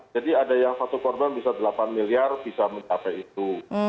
ada yang satu korban bisa delapan miliar bisa mencapai itu